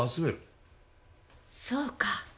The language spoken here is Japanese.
そうか。